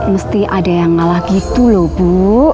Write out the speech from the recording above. mesti ada yang ngalah gitu loh bu